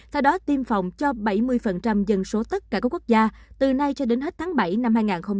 theo đó tiêm phòng cho bảy mươi dân số tất cả các quốc gia từ nay cho đến hết tháng bảy năm hai nghìn hai mươi